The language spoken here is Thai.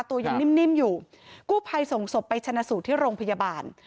ตัวยังนิ่มอยู่กู้ภัยส่งศพไปชนะสูตรที่โรงพยาบาล